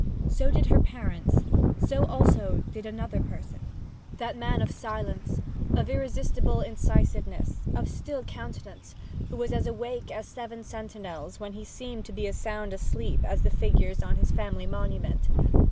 So did her parents; so also did another person that man of silence, of irresistible incisiveness, of still countenance, who was as awake as seven sentinels when he seemed to be as sound asleep as the figures on his family monument.